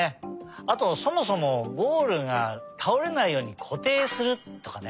あとそもそもゴールがたおれないようにこていするとかね。